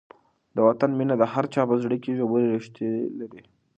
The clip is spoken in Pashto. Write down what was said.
د وطن مینه د هر چا په زړه کې ژورې ریښې لري.